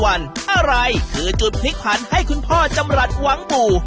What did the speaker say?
อะไรคือจุดพลิกผันให้คุณพ่อจำรัฐหวังบู่